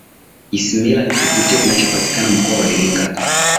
isimila ni kivutio kinachopatikana mkoa wa iringa